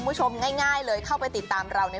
เรื่องของโชคลาบนะคะ